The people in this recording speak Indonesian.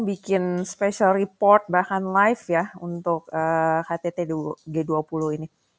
bikin special report bahkan live ya untuk ktt g dua puluh ini